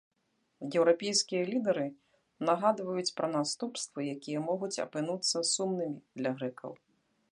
Еўрапейскія лідары нагадваюць пра наступствы, якія могуць апынуцца сумнымі для грэкаў.